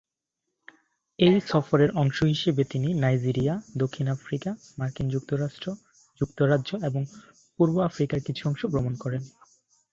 এই সফরের অংশ হিসেবে তিনি নাইজেরিয়া, দক্ষিণ আফ্রিকা, মার্কিন যুক্তরাষ্ট্র, যুক্তরাজ্য এবং পূর্ব আফ্রিকার কিছু অংশ ভ্রমণ করেন।